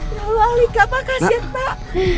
ya allah alika pak kasihan pak